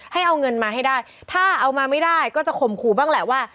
ให้เอาเงินมาให้ได้ถ้าเอามาไม่ได้ก็จะข่มขู่บ้างแหละว่า